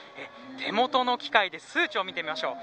手元の器械で数値を見てみましょう。